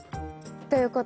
ということは？